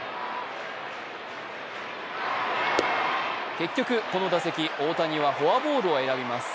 結局、この打席、大谷はフォアボールを選びます。